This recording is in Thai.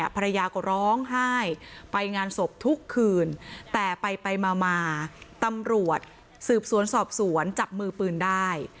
ภรรยาก็ร้องไห้ไปงานศพทุกคืนแต่ไปมาตำรวจสืบสวนสอบสวนจับมือปืนได้